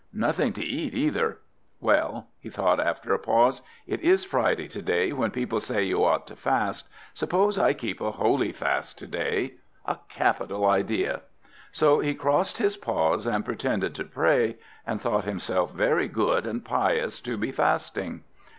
Nothing to eat, either! Well," he thought, after a pause, "it is Friday to day, when people say you ought to fast. Suppose I keep a holy fast to day? A capital idea!" So he crossed his paws, and pretended to pray, and thought himself very good and pious to be fasting.